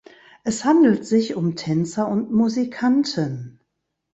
Es handelt sich um Tänzer und Musikanten.